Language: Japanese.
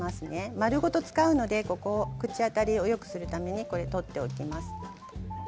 丸ごと使うので口当たりをよくするために取っておきます。